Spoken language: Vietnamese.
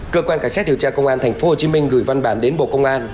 cơ quan cảnh sát điều tra công an thành phố hồ chí minh gửi văn bản đến bộ công an